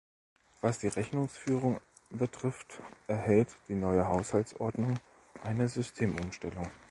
Was die Rechnungsführung betrifft, enthält die neue Haushaltsordnung eine Systemumstellung.